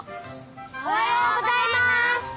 おはようございます！